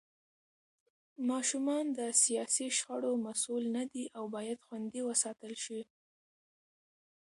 ماشومان د سياسي شخړو مسوول نه دي او بايد خوندي وساتل شي.